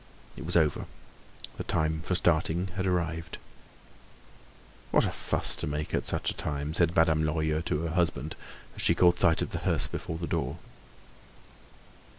It was over. The time for starting had arrived. "What a fuss to make at such a time!" said Madame Lorilleux to her husband as she caught sight of the hearse before the door.